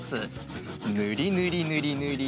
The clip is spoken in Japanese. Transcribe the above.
ぬりぬりぬりぬり。